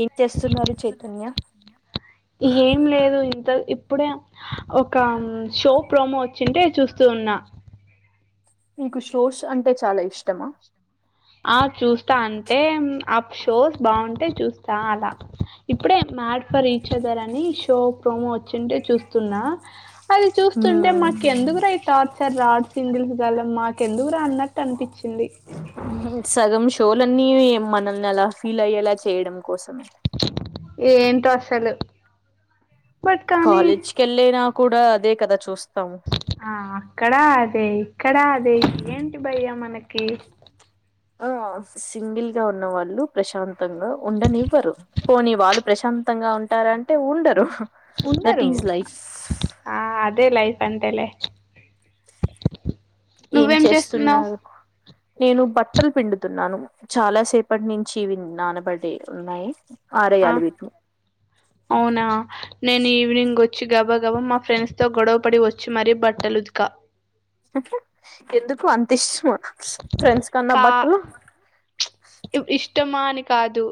ఏం చేస్తున్నారు చైతన్య ఏం లేదు తో ఇప్పుడే ఒక మ్మ్ షో ప్రోమో వచ్చింటే చూస్తూ ఉన్నా నీకు షోష్ అంటే చాలా ఇష్టమా ఆ చూస్తా అంటే ఆ షోస్ బాగుంటే చూస్తా అలా, ఇప్పుడే మ్యాడ్ ఫర్ ఈచ్ అదర్ అని షో ప్రోమో వచ్చింటే చూస్తున్నా. అది చూస్తుంటే మ్మ్ మాకు ఎందుకురా ఈ టార్ చర్ రాడ్ సింగిల్స్ గాల్లం మాకు ఎందుకు రా అన్నట్టు అనిపిచి హిందీ హ్మ్ సగం షోలన్నీ మన నిన్ను అలా ఫీల్ అయ్యేలా చేయడం. కోసమే ఏంటో అసలు. బట్ కానీ కాలేజ్ కెళ్ళేన కూడా అదే కదా చూస్ ఆ అక్కడ అదే, ఇక్కడ అదే ఏంటి బయ్యా మన కి ఆ సింగిల్ గా ఉన్న వాళ్ళు ప్రశాంతంగా ఉండనివ్వరు పోని వాళ్ళు ప్రశాంతంగా ఉంటారంటే ఉండరు. దట్ ఉండరు ఈజ్ లైఫ్ ఆ అదే లైఫ్ ంటేలే. ఏం నువ్వేం చేస్తున్నావు. చేస్తున్నారు నేను బట్టలు పిండుతున్నాను, చాలా సేపటి నుంచివి నానబడి ఉన్నాయి. ఆ ఆరేయాలి వీటిని అవునా నేను ఈవినింగొ చ్చి గబ గబా మా ఫ్రెండ్స్ తో గొడవ పడి వచ్చి మరి బట్టలు ఉతికా. ఎందుకు? అంతిష్టమా. ఫ్రెండ్స్ కన్నా కా బట్టలు. ఇష్టమా అని కాదు.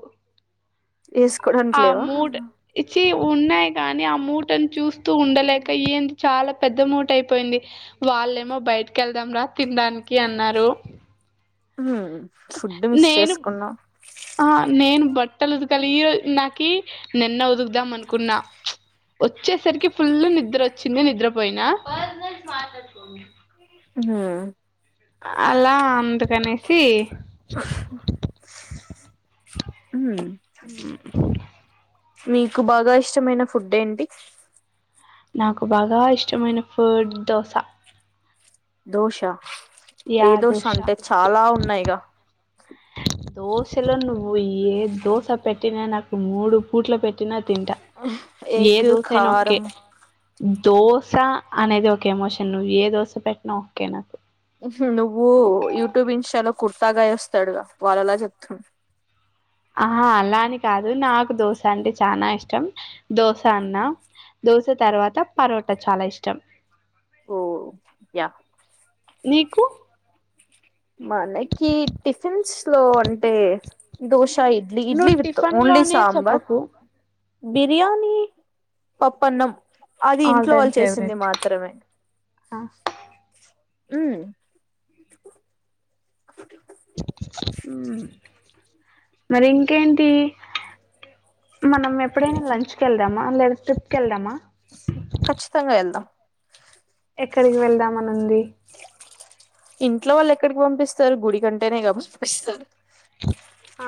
ఎసుకోడానికిలేవా? కిఉన్నాయి కాని ఆ మూటను చూస్తూ ఉండలేక ఏంటి చాలా పెద్ద మూట అయిపోయింది, వాళ్ళేమో బయటకి వెళ్దాం రా తినడానికి అన్నారు. హ్ ఫుడ్ మిస్ నేను చేసుకున్నావు. ట్టలు ఉతకాలి ఈ రోజు నాకి నిన్న ఉదుకుదాం అనుకున్నా వచ్చేసరికి ఫుల్ నిద్ర వచ్చింది నిద్రపోయినా. హా అలా అందుకనేసి హ్ ఉ మీకు బాగా ఇష్టమైన ఫుడ్ ఏంటి? నాకు బాగా ఇష్టమైన ఫుడ్ దోస. దోశ యా ఏదోశ దోశ అంటే చాలా ఉన్నాయిగా. దోశలో నువ్వు ఏ దోశ పెట్టినా నాకు మూడు పూట్లు పెట్టినా తింటా ఏ ఎగ్ దోసైనా ఒకే. కారం దోశ అనేది ఒక ఎమోషన్ నువ్వు ఏ దోశ పెట్టినా ఓకే నాకు. నువ్వు యూట్యూబ్, ఇన్స్టాలో కుర్తాగాయ్ వస్తాడుగా వాళ్ళలా చెప్తున్నావు. ఆహా అలాని కాదు నాకు దోశ అంటే చానా ఇష్టం దోశ అన్న దోశ తర్వాత పరోట చాలా ఇష్టం. ఓ య నీకు మనకి టిఫిన్స్ లో అంటే దో అ ఇడ్లీ ఇడ్లీ నువ్వు వితు టిఫిన్ ఓన్లీ లోనే సాబార్ చెప్పకు బిర్యాణి పప్పన్నం అది ఆల్ ఇంట్లో టైమ్ వాళ్ళు చేసింది ఫేవరెట్ మాత్రమే మ్ ఉ మరి ఇంకేంటి మనం ఎప్పుడైనా లంచ్ కెళ్దామా లేద ట్రిప్ కెళ్దమ ఖచ్చితంగా వెళ్దాం ఎక్కడికి వెళ్దాం అని ఉంది ఇంట్లో వాళ్ళు ఎక్కడికి పంపిస్తారు గుడి కంటేనేగా పంపిస్తారు ఆ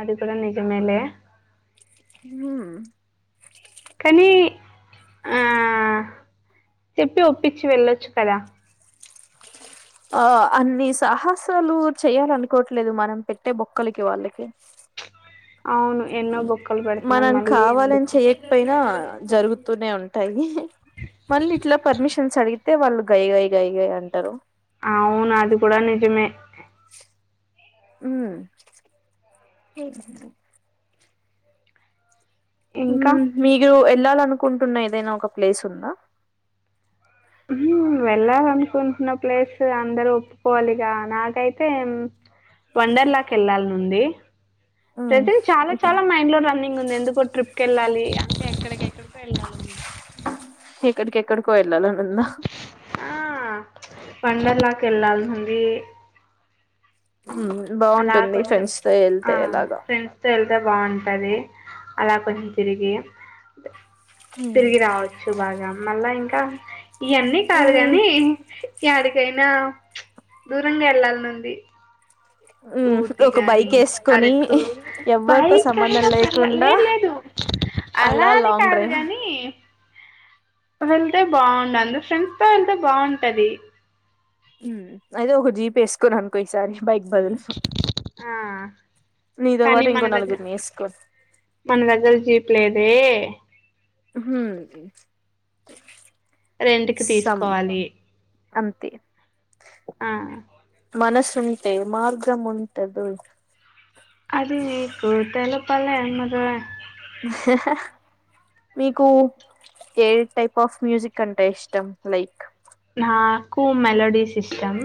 అది కూడా నిజమేలే ఉ కానీ ఆ చెప్పి ఒప్పించి వెళ్ళొచ్చు కదా ఆ అన్ని సాహసాలు చెయాలనుకోవట్లేదు మనం పెట్టే బొక్కలకి వాళ్ళకి అవును ఎన్నో బొక్కలు పెడుతున్నాం మనం మళ్ళీ కావాలని ఎందుకు చెయకపోయినా జరుగుతూనే ఉంటాయి మళ్ళీ ఇట్లా పర్మిషన్స్ అడిగి అయితే వాళ్ళు గై గై గై గై అంటారు అవును అది కూడా నిజమే ఉ ఇంకా మీగురు ల్లాలనుకుంటున్న ఏదైనా ఒక ప్లేస్ ఉందా ఉ వెళ్ళాలనుకుంటున్న ప్లేస్ అందరుూ ఒప్పుకోవాలిగా నాకైతే వండర్ లాక్ యెళ్ళాలనుంది ఉమ్ ప్రజె చాలా చాలా మైండ్ లో రన్నింగ్ ఉంది ఎందుకో ట్రిప్ కెళ్ళాలి అంటే ఎక్కడికిెక్కడికో వెళ్ళాలంది యెక్కడికె యెక్కడకో ఎల్లలనుందా ఆ వండర్లాకి వెళ్ళాలి ఉంది అలా బాగుంటుంది కొంచెం ఫ్రెండ్స్ తో ఆ యెళ్తే ఎలాగొ ఫ్రెండ్స్ వెళ్తే తో బాగుంటది అలా కొంచెం తిరిగి హ తిరిగి రావచ్చు బాగా మళ్ళా ఇంకా ట ఇవన్నీ కాదు మ్ గాని యాడికైనా దూరంగా వెళ్ళాలను ఉంది మ్ ఊటి ఒక గాని బైక్ వేసుకొని అరకు ఎవరితో బైక సంబంధం అయినా పర్ల లేకుండా లేదు లేదు అలా అలానే లాంగ్ కాదు డ్రైవ్ కాని వెళ్తే బాగుండాలి శంతో వెళ్తే బాగుంటది మ్మ్ అదే ఒక జీప్ వేసుకోని అనుకో ఈసారి బైక్ బదులు ఆ నీతో కానీ పాటు మన ఇంకో దగ్గర నలుగురిని వేసుకో మన దగ్గర జీప్ లేదే. ఉహ్ హుం రెంట్ కి తీసుకోవాలి అంతే ఆ ఉంటే మార్గం ఉంటదోయ్ అది నీకు తెలవ్ పల్లే మరే మీకు ఏ టైప్ ఆఫ్ మ్యూజిక్ అంటే ఇష్టం లైక్ నాకు మెలడీస్ ఇస్టమ్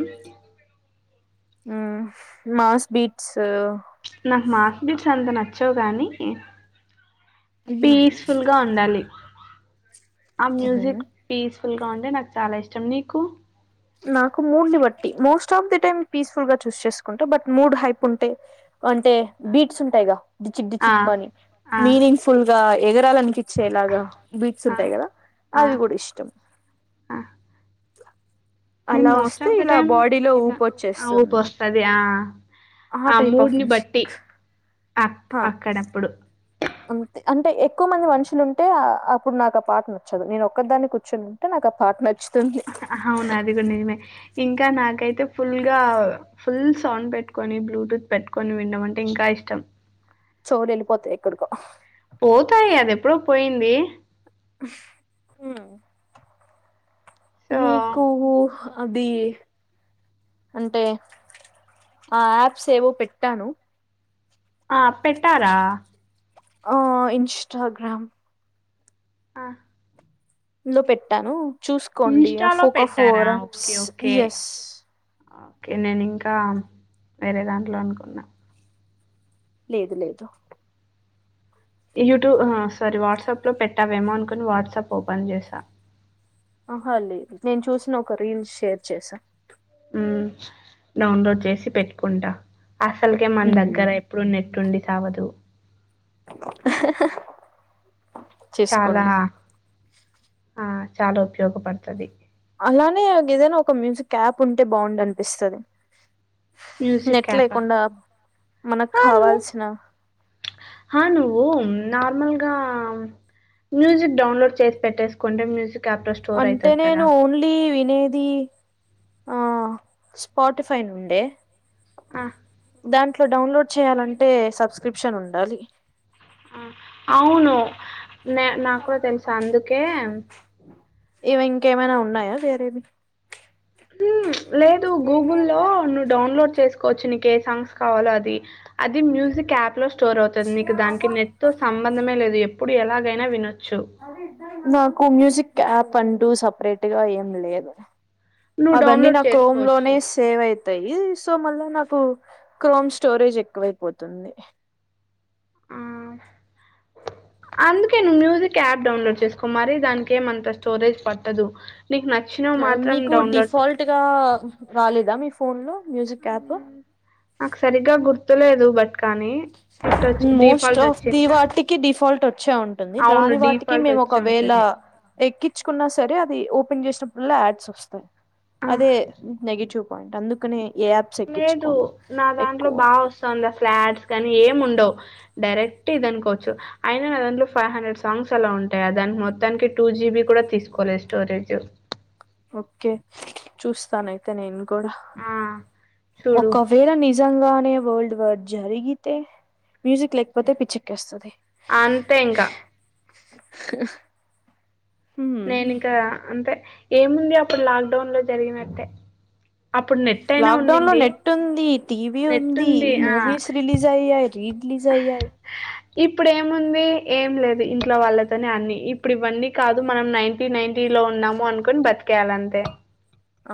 హ్మ్ మాస్ బీట్స్ నాకు మాస్ బీట్స్ అంత న చ్చవ్ గాని ఉ పీస్ఫుల్ గా ఉండాలి ఆ మ్యూజిక్ ఉ పీస్ ఫుల్ గా ఉంటే నాకు చాలా ఇష్టం నీకు నాకు మూడ్ని బట్టి most of the time peaceful గా చూస్ చేసుకుంటే బట్ మూడ్ హైప్ ఉంటే అంటే బీట్స్ ఉంటాయిగా డిచిక్ ఆ డిచిక్ మని ఆ మీనింగ్ ఫుల్ గ ఎగ వినాలనిపిచ్చేలాగా బీట్స్ ఆ ఉంటాయి గదా అవి గూడా ఇష్టం నేన్ అలా మోస్ట్ వస్తే ఆఫ్ ద ఇలా టై బాడీలో అ ఊపొచ్చేస్తుంది ఊపస్తస్తాది ఆ ఆ టైప్ ఆఫ్ మూడ్ని బట్టి అక్ మ్యూజిక్అ అక్కడప్పుడు అంతే అంటే ఎక్కువ మంది మనుషులు ఉంటే అప్పుడు నాక్ ఆ పాట్ నచ్చదు. నే ఒక్కదాని కూర్చొని ఉంటే నాకు ఆ పాట నచ్చుత్ అవును అది కూడా నిజమే ఇంకా నాకైతే ఫుల్గా ఫుల్ సౌండ్ పెట్టుకొని బ్లూటూత్ పెట్టుకొని విండమంటే ఇంకా ఇష్టం. చోవ్లు వెళ్ళిపోతాయి ఎక్కడికో పోతాయి అది ఎప్పుడో పోయింది. హ్మ్ సో మీకు అది అంటే ఆ యాప్స్ ఏవో పెట్టాను. ఆ పెట్టారా ఆ ఇన్స్టాగ్రామ్ ఆ లో పెట్టాను చూసుకోండి ఆ ఇన్స్టాలో ఫోకో పెట్టారా four apps okay okay yes okay నేను ఇంకా వేరే దాంట్లో అనుకున్నా. లేదు లేదు యూట్యూబ్ ఆ స్వారీ వాట్సాప్ లో పెట్టావేమో అనుకుని వాట్సాప్ ఓపెన్ చేసా. ఆహ లేదు నేను చూసిన ఒక రీల్స్ షేర్ చేసా హ్మ్ డౌన్లోడ్ చేసి పెట్టుకుంటా. అసలుకే మన మ్మ్. దగ్గర ఎప్పుడు నెట్టుండి టావదు చాలా చేసుకోండి ఆ చాలా ఉపయోగపడ్తది అలానే అది గేదైనా ఒక మ్యూజిక్ యాప్ ఉంటే బాగుండు అనిపిస్తాది. మ్యూజిక్ యాప్ మనకు అవ్ను కావాల్సిన ఆహా నువ్వు నార్మల్ గా మ్యూజిక్ డౌన్లోడ్ చేసి పెట్టేసుకుంటే మ్యూజిక్ యాప్‌లో స్టోర్ అంటే అయితది కదా! నేను ఓన్లీ వినేది ఆ స్పాటిఫై నుండే ఆ దాంట్లో డౌన్లోడ్ చేయాలంటే సబ్స్క్రిప్షన్ ఉం డాలీ ఆ అవును మే నాక్ కూడా తెలుసు అందుకే ఇవి ఇంకేమైనా ఉన్నాయా వేరేవి హ్మ్ లేదు గూగుల్లో నువ్వు డౌన్లోడ్ చేస్కో కోచ్ నీకే ఏ సాంగ్స్ కావాలో అది అది మ్యూజిక్ యాప్ లో స్టోర్ అవుతుంది నీకు దానికి నెట్తో సంబంధమే లేదు ఇప్పుడు ఎలాగైనా విన. నాకు మ్యూజిక్ యాప్ అంటూ సపరేట్ గా ఏం లేదు. నువ్వు అవన్నీ డౌన్‌లోడ్ నా క్రోమ్ చేసుకోవచ్చు. లోనే సేవ్ అయి అతాయి సో మళ్ళా నాకు క్రోమ్ స్టోరేజ్ ఎక్కువైపోతుంది. ఆ! అందుకే ను్ మ్యూజిక్ యాప్ డౌన్లోడ్ చేసుకో మరి దానికి ఏమంత స్టోరేజ్ పట్టదు. నీకు నచ్చినవి మాత్రం మీకు డౌన్‌లోడ్ చే డిఫాల్ట్గా రాలేదా మీ. ఫోన్లో అ సరిగా గుర్తు లేదు బట్ కానీ, ఇట్టొచ్చి మోస్ట్ డిఫాల్ట్ ఆఫ్ ది వచ్చిందా? వాటికి డిఫాల్ట్ వచ్చే ఉంటుంది అవును. రాని వాటికి డిఫాల్ట్ మేము వచ్చి ఒకవేళ ఉంటది. ఎక్కించుకున్నా సరే అది ఒప్ ఓపెన్ చేసినప్పుడుఆళ్ల యాడ్స్ వస్తాయి. అదే ఆ! నెగెటివ్ పాయింట్ అందుకనే ఏ యాప్స్ లేదు ఎక్కించుకోను నా దాంట్లో ఎక్కువ బాగా వస్తుంది అసలు యాడ్స్ కాని ఏము ఉండవ్ డైరెక్ట్ ఇదనుకోవచ్చు అయిన నా దాంట్లో ఫైవ్ హండ్రెడ్ సాంగ్స్ అలా ఉంటాయి. దానీ మొత్తానికి టూ జీబి కూడా తీసుకోలేదు స్టోరేజ్ ఓకే చూస్తను అయితే నేను ఆ చూడు ఒకవేళ నిజంగానే వరల్డ్ వార్ జారిగితే మ్యూజిక్ లేకపోతే పిచ్చెకేస్తాది అంతే ఇంకా అ నేను ఇంకా అంతే ఏముంది అప్పుడు లాక్ డౌన్ లో జరిగినట్టే అప్పుడు నెట్ అయినా లాక్డౌన్ లో ఉన్నింది నెట్ ఉంది టీవీ ఉంది మూవీస్ రిలీజ్ అయ్యాయి రీరిలీజ్ అయ్యాయి ఇప్పుడేముంది ఏం లేదు ఇంట్లో వాళ్ళతోని అన్ని ఇప్పుడు ఇవన్నీ కాదు మనం నైన్టీ నైన్టీ లో ఉన్నాము అనుకొని బతికేయాలంతే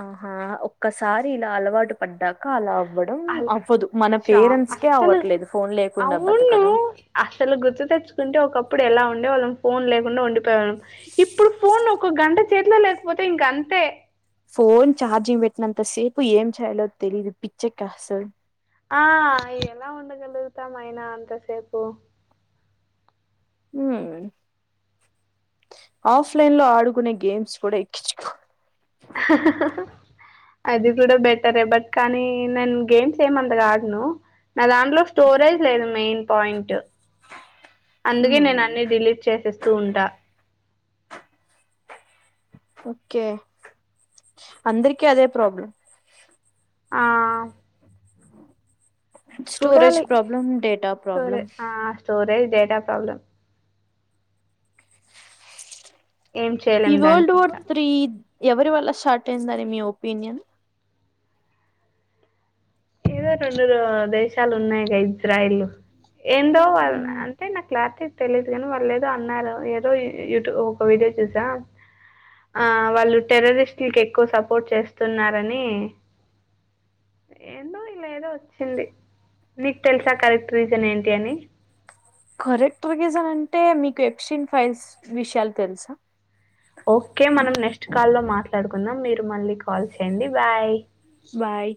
ఆహా ఒక్కసారి ఇలా అలవాటు పడ్డాక అలా అవ్వడం అల్ అవ్వదు మన చా పేరెంట్స్కే అస్సలు అవ్వట్లేదు ఫోన్ లేకుండా బతకడం ఉంటే ఒకప్పుడు ఎలా ఉండేవాళ్ళం ఫోన్ లేకుండా ఉండిపోయేవాళ్ళం. ఇప్పుడు ఫోన్ ఒక గంట చేతిలో లేకపోతే ఇంక అంతే ఫోన్ చార్జింగ్ పెట్టినతసేపు ఇప్పు ఏం చేయాలో తెలీదు పిచ్చెకేస్తాది ఆ ఎలా ఉండగలుగుతాం అయినా అంతసేపు హామ్ ఆఫ్లైన్ లో ఆడుకునే గేమ్స్ కూడా ఎక్కించుకో అది కూడా బెటరే బట్ కానీ నేను గేమ్స్ ఏమంతగా ఆడను నా దాంట్లో స్టోరేజ్ లేదు మెయిన్ పాయింట్ అందుకే హ్మ్ నేను అన్ని డిలీట్ చేసేస్తూ ఉంటా. ఓకే అందరికి అదే ప్రాబ్లం ఆ స్టోరేజ్ చూడాలి ప్రాబ్లం డేటా ప్రాబ్లం స్టోరే ఆ స్టోరేజ్ డేటా ప్రాబ్లం ఏం ఈ చేయలేం వర్ల్డ్ దానికి వోర్ ఇంకా త్రీ ఎవరి వల్ల స్టార్ట్ అయిందని మీ ఒపీనియన్ ఏదో రెండు దేశాలు ఉన్నాయి గ ఇజ్రాయిల్ ఏందో అంటే నాకు క్లారిటీ తెలియదు కాని వాళ్ళు ఏదో అన్నారు ఏదో యూట్యూబ్ ఒక వీడియో చూసా ఆ వాళ్ళు టెర్రరిస్ట్లకి ఎక్కువ సపోర్ట్ చేస్తున్నారని ఏదో వచ్చింది నీకు తెలుసా కరెక్ట్ రీజన్ ఏంటి అని కరెక్ట్ రీసన్ అంటే మీకు ఎక్స్టంన్ ఫైల్స్ విషయాలు తెలుసా ఓకే మనం నెక్స్ట్ కాల్ లో మాట్లాడుకుందాం మీరు మళ్ళీ కాల్ చేయండి బాయ్ బాయ్